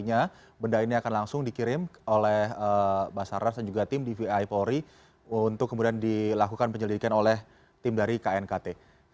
sehingga benda ini akan langsung dikirim oleh basarnas dan juga tim dvi polri untuk kemudian dilakukan penyelidikan oleh tim dari knkt